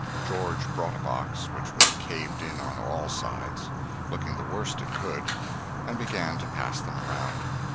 George brought a box, which was caved in on all sides, looking the worst it could, and began to pass them around.